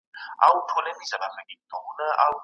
د استقامت نشتوالی د انسان نورو صفتونه بې اغېزه کوي.